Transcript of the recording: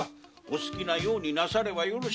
お好きなようになさればよろしいのです。